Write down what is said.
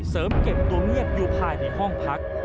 เก็บตัวเงียบอยู่ภายในห้องพัก